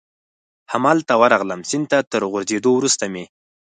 همالته ورغلم، سیند ته تر غورځېدو وروسته مې.